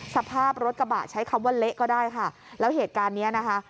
สภาพรถกระบะใช้คำว่าเละก็ได้ค่ะแล้วเหตุการณ์เนี้ยนะคะ